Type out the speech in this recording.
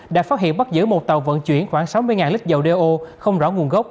đã phát hiện bắt giữ một tàu vận chuyển khoảng sáu mươi lít dầu đeo không rõ nguồn gốc